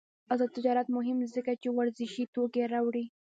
آزاد تجارت مهم دی ځکه چې ورزشي توکي راوړي.